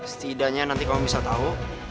setidaknya nanti kamu bisa tahu